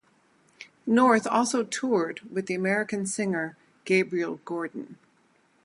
North also toured with the American singer Gabriel Gordon.